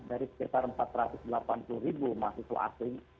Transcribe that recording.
dari sekitar empat ratus delapan puluh ribu mahasiswa asing